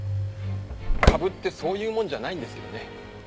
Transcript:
株ってそういうもんじゃないんですけどね。